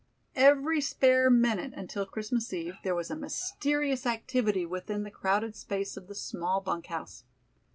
Every spare minute until Christmas Eve there was a mysterious activity within the crowded space of the small bunk house.